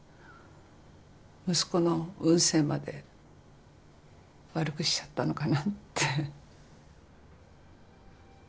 息子の運勢まで悪くしちゃったのかなって。